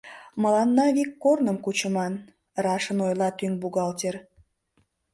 Мыланна вик корным кучыман, — рашын ойла тӱҥ бухгалтер.